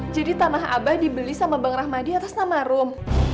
jadi tanah abah dibeli sama bang rahmadi atas nama rum